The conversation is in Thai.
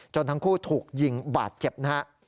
ทั้งคู่ถูกยิงบาดเจ็บนะฮะ